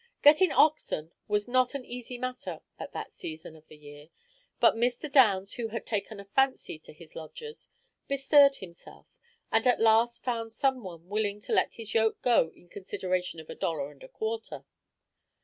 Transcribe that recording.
Getting oxen was not an easy matter at that season of the year, but Mr. Downs, who had taken a fancy to his lodgers, bestirred himself, and at last found some one willing to let his yoke go in consideration of a dollar and a quarter.